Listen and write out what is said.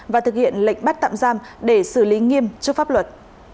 và thực hiện lệnh bắt tạm giam để xử lý nghiêm trước pháp luật